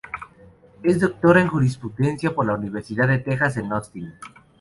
Es doctora en jurisprudencia por la Universidad de Texas en Austin.